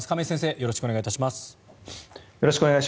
よろしくお願いします。